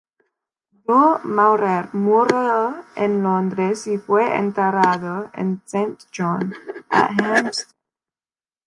Du Maurier murió en Londres y fue enterrado en St John-at-Hampstead.